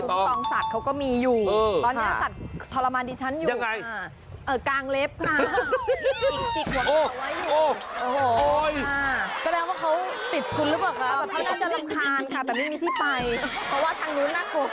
ตรงสัตว์เขาก็มีอยู่ตอนนี้ตัดทรมานดิฉันอยู่